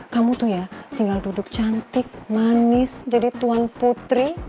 kamu tuh ya tinggal duduk cantik manis jadi tuan putri